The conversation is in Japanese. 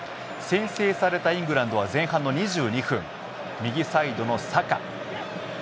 先制されたイングランドは前半の２２分右サイドのサカ。